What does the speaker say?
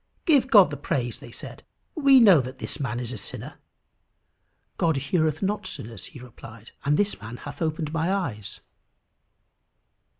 "Give God the praise," they said; "we know that this man is a sinner." "God heareth not sinners," he replied; "and this man hath opened my eyes."